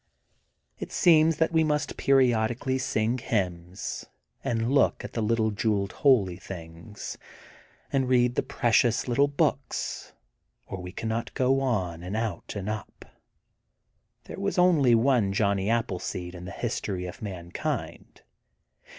186 THE GOLDEN BOOK OF SPRINGFIELD It seems that we must periodically sing hymns and look ac the little jeweled holy things and read the precious little books, or we cannot go on and out and up. There was only one Johnny Appleseed in the history of mankind.